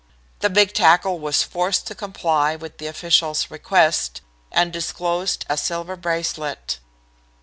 "The big tackle was forced to comply with the official's request, and disclosed a silver bracelet.